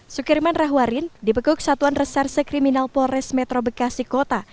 sukirman rahwarin dibekuk satuan reserse kriminal polres metro bekasi kota